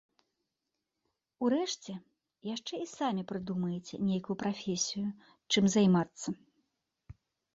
Урэшце, яшчэ і самі прыдумаеце нейкую прафесію, чым займацца.